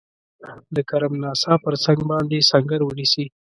د کرم ناسا پر څنګ باندي سنګر ونیسي.